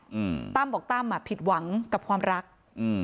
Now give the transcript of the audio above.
อืมตั้มบอกตั้มอ่ะผิดหวังกับความรักอืม